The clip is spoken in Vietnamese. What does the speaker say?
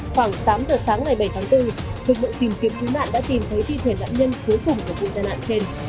khoảng tám giờ sáng ngày bảy tháng bốn phục vụ tìm kiếm cứu nạn đã tìm thấy phi thể nạn nhân cuối cùng của vụ nạn trên